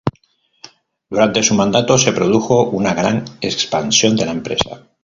Durante su mandato se produjo una gran expansión de la empresa.